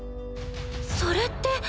それって。